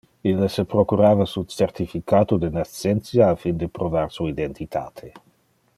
Ille se procurava su certificato de nascentia a fin de provar su identitate.